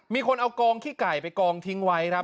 มีคนเอากองขี้ไก่ไปกองทิ้งไว้ครับ